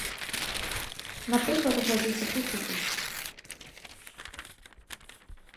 Напрыклад, глядзіце тут і тут.